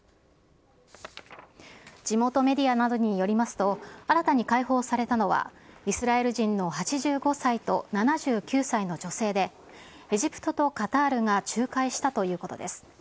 地元メディアなどによりますと、新たに解放されたのは、イスラエル人の８５歳と７９歳の女性で、エジプトとカタールが仲介したということです。